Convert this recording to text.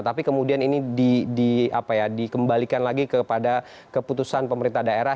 tapi kemudian ini dikembalikan lagi kepada keputusan pemerintah daerah